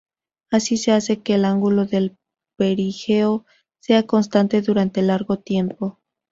Así se hace que el ángulo del perigeo sea constante durante largo tiempo.